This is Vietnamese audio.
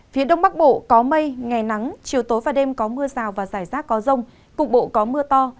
phía đông bắc bộ có mây ngày nắng chiều tối và đêm có mưa xào và rông cục bộ có mưa to